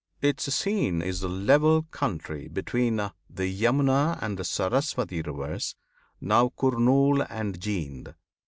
Its scene is the level country between the Jumna and the Sarsooti rivers now Kurnul and Jheend.